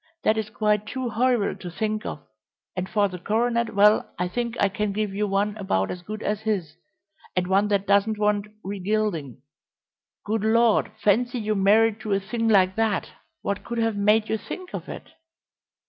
That is quite too horrible to think of, and as for the coronet, well, I think I can give you one about as good as his, and one that doesn't want re gilding. Good Lord, fancy you married to a thing like that! What could have made you think of it?"